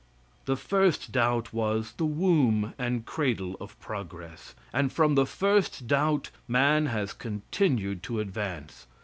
The first doubt was the womb and cradle of progress, and from the first doubt, man has continued to advance.